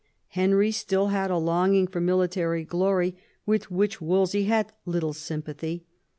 Henry still had a longing for military glory, with which Wolsey had little sympathy.